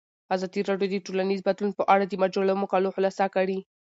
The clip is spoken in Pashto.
ازادي راډیو د ټولنیز بدلون په اړه د مجلو مقالو خلاصه کړې.